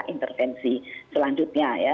intervensi selanjutnya ya